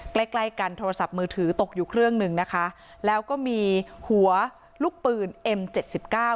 ใกล้ใกล้กันโทรศัพท์มือถือตกอยู่เครื่องหนึ่งนะคะแล้วก็มีหัวลูกปืนเอ็มเจ็ดสิบเก้า